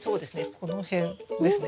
この辺ですね。